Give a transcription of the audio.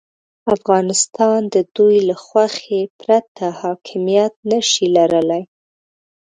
افغانستان د دوی له خوښې پرته حاکمیت نه شي لرلای.